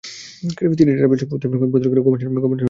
তিনি টারপিন সম্পর্কিত পদ্ধতিগত গবেষণার পথ উন্মুক্ত করে দেন।